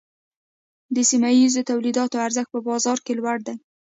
د سیمه ییزو تولیداتو ارزښت په بازار کې لوړ دی۔